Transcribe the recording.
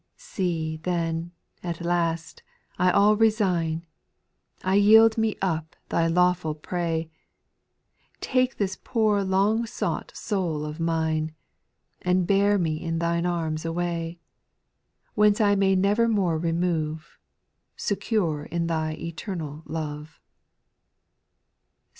6. See then, at last, I all resign — I yield me up Thy lawful prey : Take this poor long sought soul of mine, And bear me in Thine arms away, Whence I may never more remove — Secure in Thy eternal love.